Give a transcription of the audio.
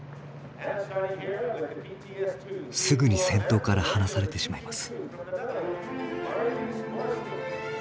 すぐに先頭から離されてしまいます。